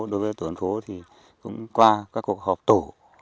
đối với tổ dân phố thì cũng qua các cuộc họp tổ